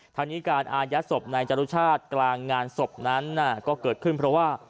ทางนี้การอายัดศพนายจรุชาติกลางงานศพนั้นก็เกิดขึ้นเพราะว่า